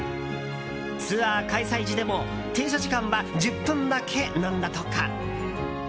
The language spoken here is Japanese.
ツアー開催時でも、停車時間は１０分だけなんだとか。